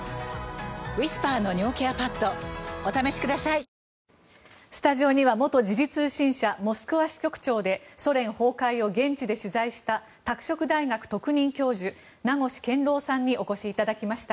一方、ロシアではプリゴジンの乱のあとスタジオには元時事通信社モスクワ支局長でソ連崩壊を現地で取材した拓殖大学特任教授名越健郎さんにお越しいただきました。